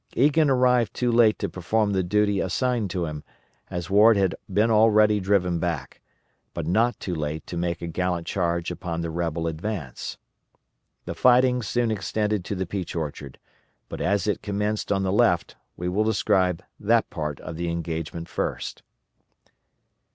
Egan arrived too late to perform the duty assigned to him, as Ward had been already driven back, but not too late to make a gallant charge upon the rebel advance. The fighting soon extended to the Peach Orchard, but as it commenced on the left, we will describe that part of the engagement first.